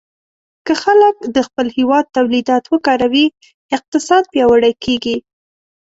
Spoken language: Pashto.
که خلک د خپل هېواد تولیدات وکاروي، اقتصاد پیاوړی کېږي.